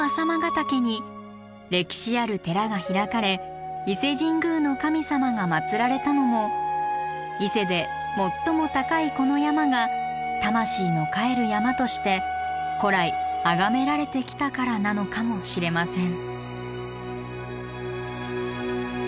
岳に歴史ある寺が開かれ伊勢神宮の神様がまつられたのも伊勢で最も高いこの山が魂の還る山として古来あがめられてきたからなのかもしれません。